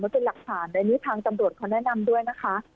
มันเป็นหลักฐานในนี้ทางจำโดรดเขาแนะนำด้วยนะคะ